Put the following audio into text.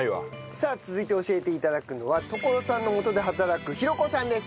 さあ続いて教えて頂くのは野老さんのもとで働くひろ子さんです。